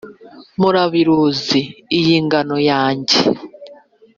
murabiruzi iyi ngano yanjye